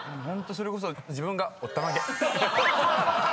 ホントそれこそ自分が。